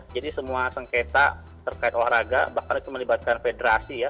jadi semua sengketa terkait olahraga bahkan itu melibatkan federasi ya